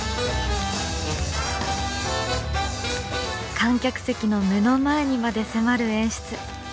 観客席の目の前にまで迫る演出。